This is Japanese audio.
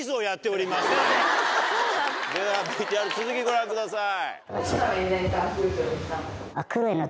ではＶＴＲ続きご覧ください。